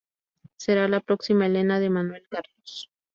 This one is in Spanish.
Será la próxima Helena de Manuel Carlos.